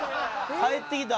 帰ってきた！